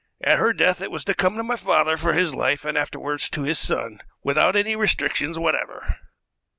At her death it was to come to my father for his life, and afterward to his son, without any restrictions whatever."